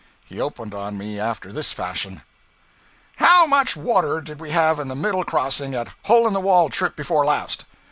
He opened on me after this fashion 'How much water did we have in the middle crossing at Hole in the Wall, trip before last?'